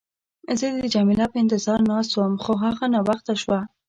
زه د جميله په انتظار ناست وم، خو هغه ناوخته شوه.